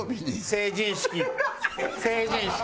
成人式成人式。